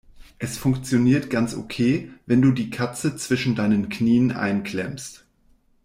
Es funktioniert ganz okay, wenn du die Katze zwischen deinen Knien einklemmst.